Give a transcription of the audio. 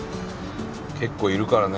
結構いるからね。